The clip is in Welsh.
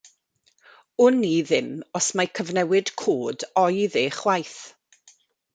Wn i ddim os mai cyfnewid cod oedd e chwaith.